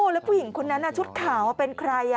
แล้วผู้หญิงคนนั้นชุดขาวเป็นใคร